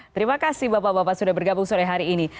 terima kasih bapak bapak sudah bergabung sore hari ini